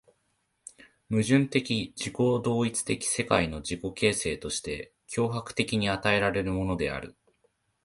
矛盾的自己同一的世界の自己形成として強迫的に与えられるのである。